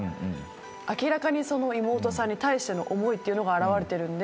明らかに妹さんに対しての思いというのが表れてるんで。